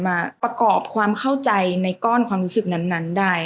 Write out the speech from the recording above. มาประกอบความเข้าใจในก้อนความรู้สึกนั้นได้